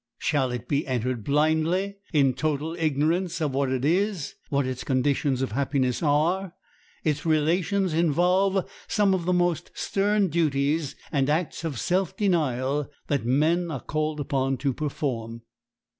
Shall it be entered blindly, in total ignorance of what it is, what its conditions of happiness are? Its relations involve some of the most stern duties and acts of self denial that men are called upon to perform.